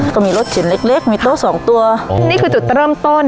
ก็มีรถชิ้นเล็กเล็กมีโต๊ะสองตัวนี่คือจุดเริ่มต้น